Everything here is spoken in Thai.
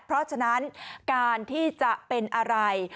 เพราะฉะนั้นการที่จะเป็นอะไร